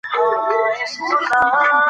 زما خور زما لپاره تل په دعاګانو کې برکت غواړي.